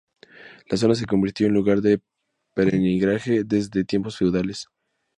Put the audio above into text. La zona se convirtió en lugar de peregrinaje desde tiempos feudales.